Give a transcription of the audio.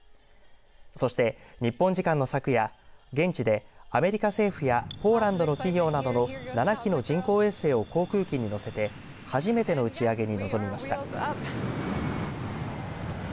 そして日本時間の昨夜現地でアメリカ政府やポーランドの企業などの７機の人工衛星を航空機に載せて初めての打ち上げに臨みました。